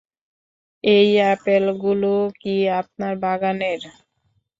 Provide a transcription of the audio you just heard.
এই আপেলগুলো কি আপনার বাগানের?